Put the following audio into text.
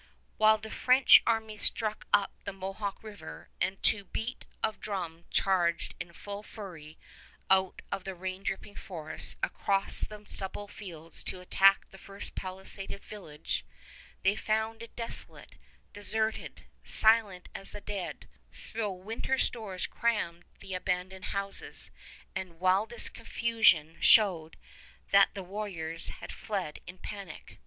When the French army struck up the Mohawk River, and to beat of drum charged in full fury out of the rain dripping forests across the stubble fields to attack the first palisaded village, they found it desolate, deserted, silent as the dead, though winter stores crammed the abandoned houses and wildest confusion showed that the warriors had fled in panic.